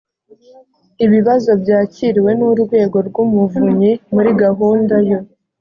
ibibazo byakiriwe n’urwego rw’umuvunyi muri gahunda yo